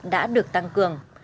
đã được tăng cường